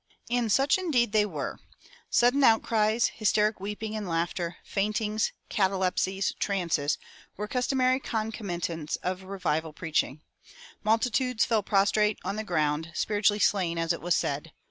And such indeed they were. Sudden outcries, hysteric weeping and laughter, faintings, catalepsies, trances, were customary concomitants of the revival preaching. Multitudes fell prostrate on the ground, "spiritually slain," as it was said.